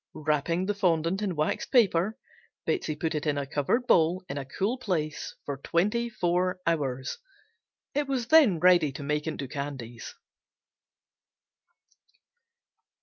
Wrapping the fondant in waxed paper, Betsey put it in a covered bowl in a cool place for twenty four hours. It was then ready to make into candies.